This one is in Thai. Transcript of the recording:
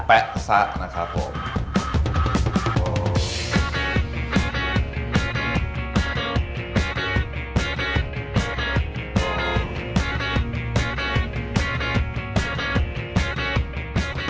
แป๊ะซะนะครับผม